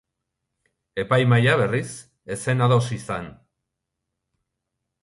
Epaimahaia, berriz, ez zen ados izan.